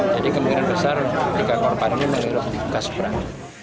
jadi kemungkinan besar tiga korban ini menghirup gas peracun